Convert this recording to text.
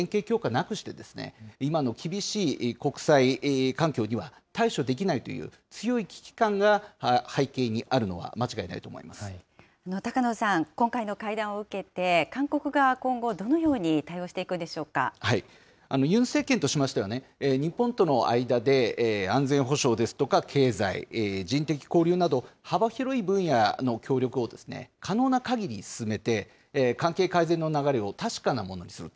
なくして、今の厳しい国際環境には対処できないという強い危機感が背景にあ高野さん、今回の会談を受けて、韓国側は今後、どのように対応していくんでユン政権としましては、日本との間で安全保障ですとか経済、人的交流など、幅広い分野の協力を可能なかぎり進めて、関係改善の流れを確かなものにする。